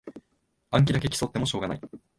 暗記だけ競ってもしょうがない